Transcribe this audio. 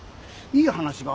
いい話だ？